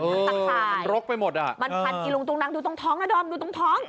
มันรกไปหมดอะมันผันกี่ลุงตรงนั้นดูตรงท้องนะด้อมดูตรงท้อง